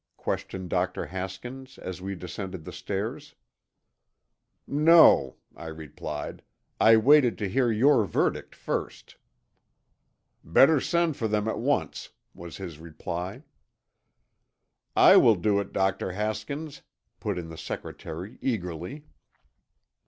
questioned Dr. Haskins as we descended the stairs. "No," I replied. "I waited to hear your verdict first." "Better send for them at once," was his reply. "I will do it, Dr. Haskins," put in the secretary eagerly.